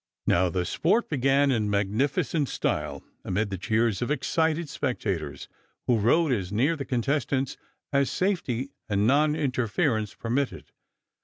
Now the sport began in magnificent style, amid the cheers of excited spectators, who rode as near the contestants as safety and non interference permitted.